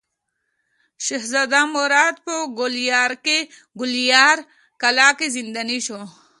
شهزاده مراد په ګوالیار کلا کې زنداني شو.